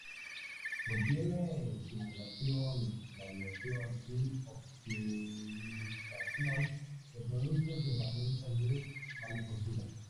Contiene simulación, validación y optimización de productos y herramientas de manufactura.